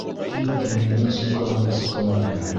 Һин Кинйәнең сумкаһында соҡона инең.